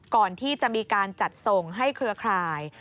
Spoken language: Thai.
ก่อนที่จะมีการจัดส่งให้เครือข่าย